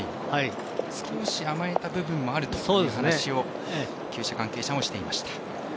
少し甘えた部分があるという話をきゅう舎関係者もしていました。